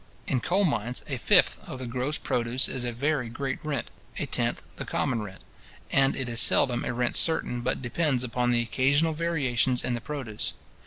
In coal mines, a fifth of the gross produce is a very great rent, a tenth the common rent; and it is seldom a rent certain, but depends upon the occasional variations in the produce.